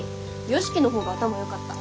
良樹の方が頭よかった。